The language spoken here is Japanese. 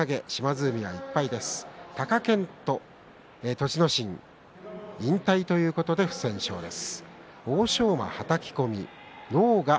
栃ノ心、引退ということで貴健斗、不戦勝です。